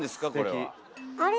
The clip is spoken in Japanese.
あれ？